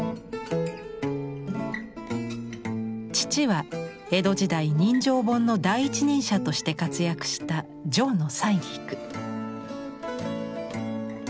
父は江戸時代人情本の第一人者として活躍した條野採菊。